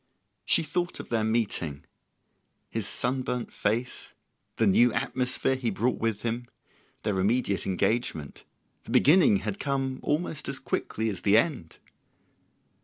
She thought of their meeting, his sunburnt face, the new atmosphere he brought with him, their immediate engagement: the beginning had come almost as quickly as the end!